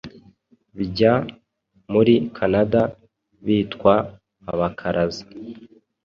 Bjya muri Canada bitwa Abakaraza,